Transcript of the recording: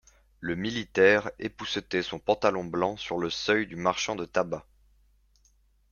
Le militaire époussetait son pantalon blanc sur le seuil du marchand de tabac.